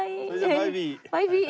バイビー。